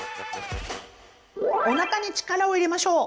おなかに力を入れましょう！